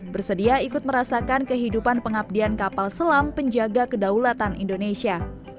bersedia ikut merasakan kehidupan pengabdian kapal selam penjaga kedaulatan indonesia